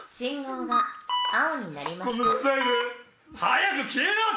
早く消えろ！